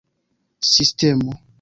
sistemo